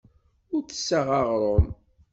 Ur d-tessaɣ aɣrum.